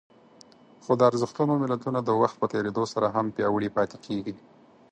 خو د ارزښتونو ملتونه د وخت په تېرېدو سره هم پياوړي پاتې کېږي.